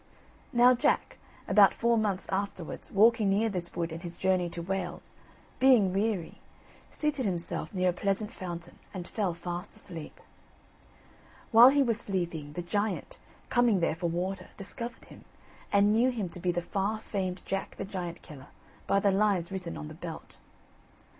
Now Jack, about four months afterwards, walking near this wood in his journey to Wales, being weary, seated himself near a pleasant fountain and fell fast asleep. While he was sleeping, the giant, coming there for water, discovered him, and knew him to be the far famed Jack the Giant killer by the lines written on the belt.